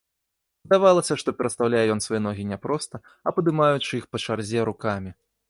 Здавалася, што перастаўляе ён свае ногі не проста, а падымаючы іх па чарзе рукамі.